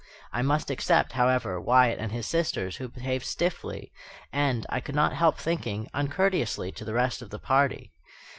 I must except, however, Wyatt and his sisters, who behaved stiffly, and, I could not help thinking, uncourteously, to the rest of the party.